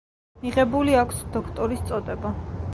მიღებული აქვს დოქტორის წოდება.